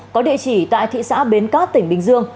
có địa chỉ tại thị xã bến cát tỉnh bình dương